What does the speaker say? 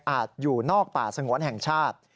อยู่นอกป่าสงวนแห่งชาติ